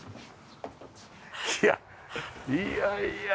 いやいやいや！